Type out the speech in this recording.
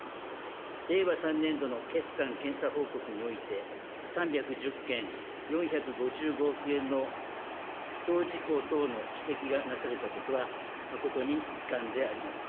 令和３年度の決算検査報告において、３１０件４５５億円の不当事項等の指摘がなされたことは誠に遺憾であります。